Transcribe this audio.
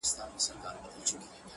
چي دا کلونه راته وايي نن سبا سمېږي!